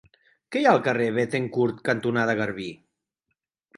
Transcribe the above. Què hi ha al carrer Béthencourt cantonada Garbí?